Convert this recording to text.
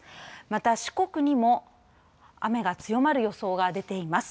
また、四国にも雨が強まる予想が出ています。